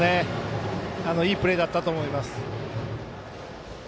いいプレーだったと思います。